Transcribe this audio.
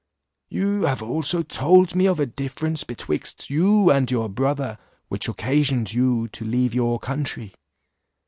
You have also told me of a difference betwixt you and your brother, which occasioned you to leave your country.